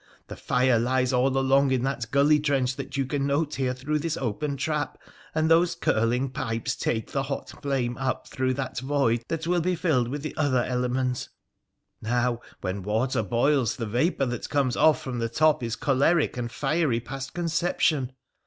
The fire lies all along in that gulley trench that you can note here through this open trap, and those curling pipes take the hot flame up through that void that will be filled with the other element. Now, when water boils the vapour that comes from off the top is choleric and fiery past conception.